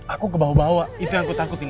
aku kebawa bawa itu yang aku takutin